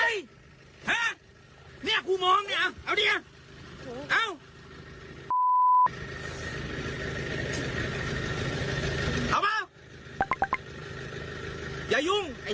อย่ายุ่งไอ้